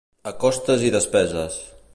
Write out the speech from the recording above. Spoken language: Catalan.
A costes i despeses.